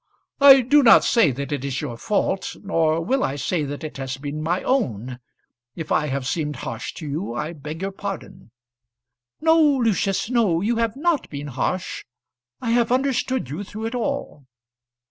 "I do not say that it is your fault; nor will I say that it has been my own. If I have seemed harsh to you, I beg your pardon." "No, Lucius, no; you have not been harsh. I have understood you through it all."